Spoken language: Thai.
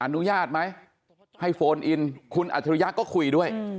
อนุญาตไหมให้โฟนอินคุณอัจฉริยะก็คุยด้วย